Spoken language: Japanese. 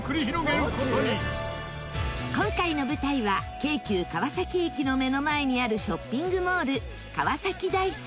今回の舞台は京急川崎駅の目の前にあるショッピングモール川崎ＤＩＣＥ。